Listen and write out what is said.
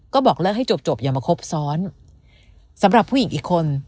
ก็บอกเลิกให้จบอย่ามาครบซ้อนสำหรับผู้หญิงอีกคน